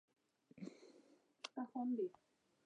د معاشري د اصلاح پۀ خاطر ده